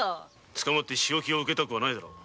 捕まって仕置きを受けたくはないだろう。